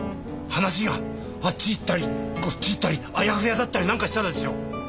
話があっち行ったりこっち行ったりあやふやだったりなんかしたらですよ？